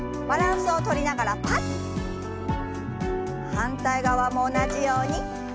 反対側も同じように。